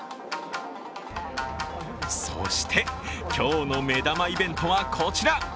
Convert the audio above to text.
そして、今日の目玉イベントはこちら！